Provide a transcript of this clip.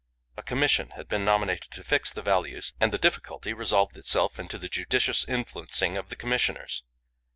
A commission had been nominated to fix the values, and the difficulty resolved itself into the judicious influencing of the Commissioners.